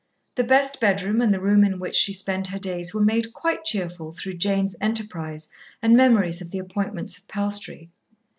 The best bedroom and the room in which she spent her days were made quite cheerful through Jane's enterprise and memories of the appointments of Palstrey.